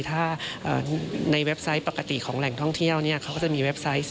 ถ้าในเว็บไซต์ปกติของแหล่งท่องเที่ยวเขาก็จะมีเว็บไซต์